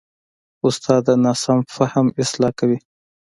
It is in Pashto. استاد د ناسم فهم اصلاح کوي.